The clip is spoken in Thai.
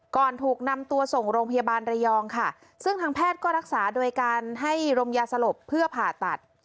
ถูกนำตัวส่งโรงพยาบาลระยองค่ะซึ่งทางแพทย์ก็รักษาโดยการให้รมยาสลบเพื่อผ่าตัด